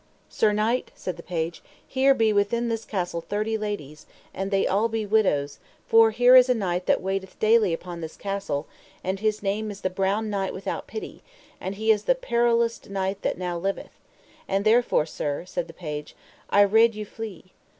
Sir knight, said the page, here be within this castle thirty ladies, and all they be widows; for here is a knight that waiteth daily upon this castle, and his name is the Brown Knight without Pity, and he is the periloust knight that now liveth; and therefore sir, said the page, I rede you flee.